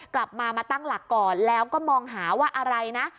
กลับมามาตั้งหลักก่อนแล้วก็มองหาว่าอะไรนะ